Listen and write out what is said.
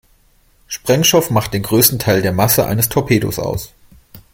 Sprengstoff macht den größten Teil der Masse eines Torpedos aus.